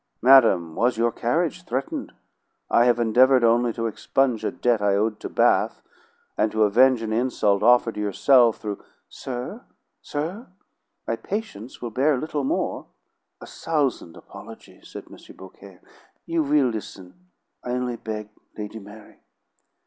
Madam, was your carriage threatened? I have endeavored only to expunge a debt I owed to Bath and to avenge an insult offered to yourself through " "Sir, sir, my patience will bear little more!" "A thousan' apology," said M. Beaucaire. "You will listen, I only beg, Lady Mary?"